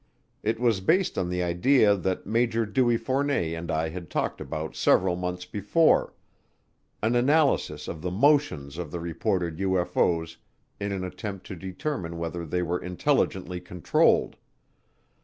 It was based on the idea that Major Dewey Fournet and I had talked about several months before an analysis of the motions of the reported UFO's in an attempt to determine whether they were intelligently controlled.